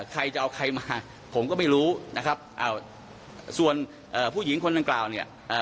ใครจะเอาใครมาผมก็ไม่รู้นะครับอ่าส่วนเอ่อผู้หญิงคนดังกล่าวเนี่ยเอ่อ